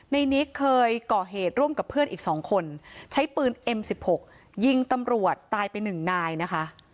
นิกเคยก่อเหตุร่วมกับเพื่อนอีก๒คนใช้ปืนเอ็มสิบหกยิงตำรวจตายไปหนึ่งนายนะคะ